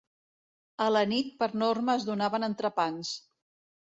A la nit per norma es donaven entrepans.